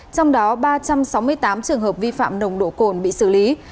trong đó ba trăm sáu mươi tám trường hợp vi phạm nồng độ cồn bị xử lý